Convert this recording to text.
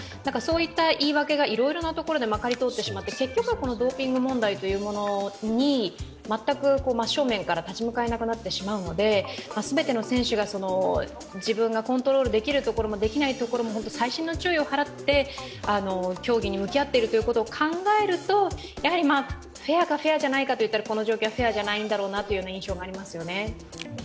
そういった言い訳がいろいろなところでまかり通ってしまって結局はドーピング問題というものに全く真っ正面から立ち向かえなくなってしまうので全ての選手が自分がコントロールできるところも、できないところも細心の注意を払って競技に向き合っていることを考えるとフェアか、フェアじゃないかといったら、この状況はフェアじゃないといった印象はありますね。